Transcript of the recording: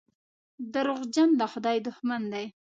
دروغجن د خدای دښمن دی.